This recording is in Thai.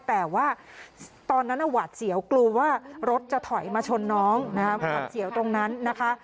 แต่ว่าตอนนั้นหวาดเสียวกลัวว่ารถจะถอยมาชนน้องหวัดเสียวตรงนั้นนะคะ